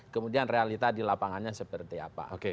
kemudian realita di lapangannya seperti apa